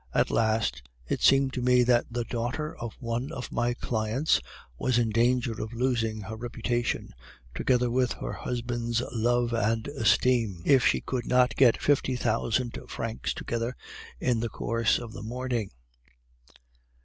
At last, it seemed to me that the daughter of one of my clients was in danger of losing her reputation, together with her husband's love and esteem, if she could not get fifty thousand francs together in the course of the morning.